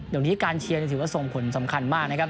อย่างนี้การเชียร์ถือว่าส่งผลมากนะครับ